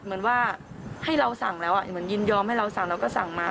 เหมือนว่าให้เราสั่งแล้วยืนยอมให้เราสั่งแล้วก็สั่งมา